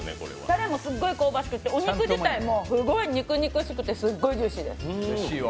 たれもおいしいし、お肉自体もすごい肉肉しくて、すごいジューシーです。